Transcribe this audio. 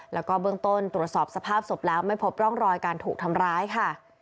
แล้วก็เบื้องต้นตรวจสอบสภาพศพแล้วไม่พบร่องรอยการถูกทำร้ายค่ะ